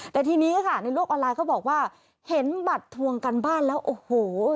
แต่ทีนี้ค่ะในโลกออนไลน์เขาบอกว่าเห็นบัตรทวงการบ้านแล้วโอ้โห